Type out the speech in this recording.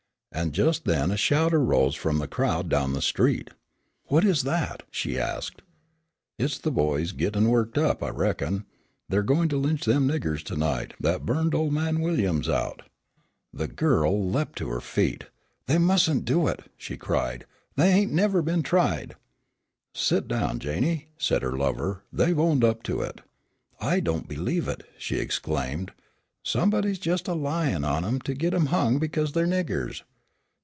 And just then a shout arose from the crowd down the street. "What's that?" she asked. "It's the boys gittin' worked up, I reckon. They're going to lynch them niggers to night that burned ole man Williams out." The girl leaped to her feet, "They mustn't do it," she cried. "They ain't never been tried!" "Set down, Janey," said her lover, "they've owned up to it." "I don't believe it," she exclaimed, "somebody's jest a lyin' on 'em to git 'em hung because they're niggers."